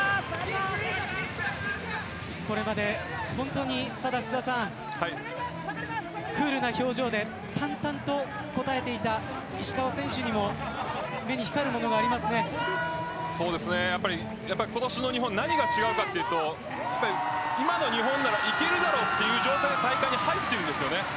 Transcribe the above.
これまで本当にクールな表情で淡々と答えていた石川選手にもやっぱり今年の日本何が違うかというと今の日本ならいけるだろうという状態で大会に入っているんです。